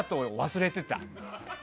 忘れていた。